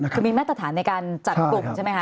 คือมีมาตรฐานในการจัดกลุ่มใช่ไหมคะ